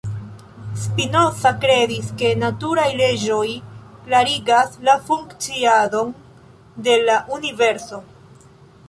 Spinoza kredis ke naturaj leĝoj klarigas la funkciadon de la universo.